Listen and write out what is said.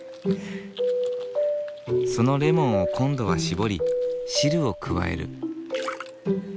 そのレモンを今度はしぼり汁を加える。